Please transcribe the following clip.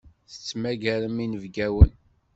Tettmagarem inebgawen.